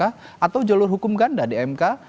atau jalur hukum ganda di mk